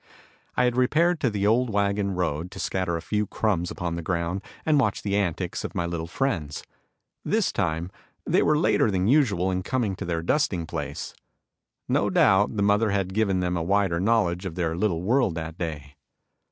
I had repaired to the old wagon road, to scatter a few crumbs upon the ground and watch the antics of my little friends. This time they were later than usual in coming to their dusting place. No doubt, the mother had given them a wider knowledge of their little world that day.